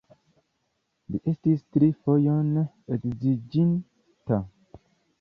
Li estis tri fojon edziĝinta.